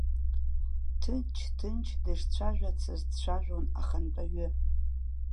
Ҭынч-ҭынч дышцәажәацыз дцәажәон ахантәаҩы.